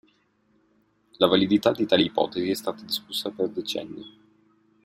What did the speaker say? La validità di tale ipotesi è stata discussa per decenni.